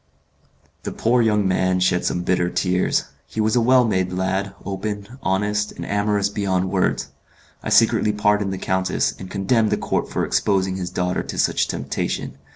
The poor young man shed some bitter tears. He was a well made lad, open, honest, and amorous beyond words. I secretly pardoned the countess, and condemned the count for exposing his daughter to such temptation.